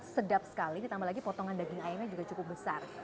sedap sekali ditambah lagi potongan daging ayamnya juga cukup besar